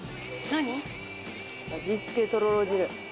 味付けとろろ汁。